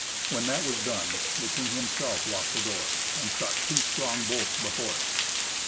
When that was done, the king himself locked the door, and shot two strong bolts before it.